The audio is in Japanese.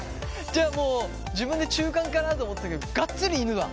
じゃあもう自分で中間かなと思ったけどガッツリ犬だ。